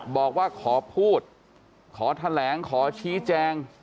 บอกว่าขอพูดขอแถลงขอชี้แจง